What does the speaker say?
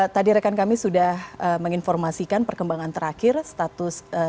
tadi rekan kami sudah menginformasikan perkembangan terakhir status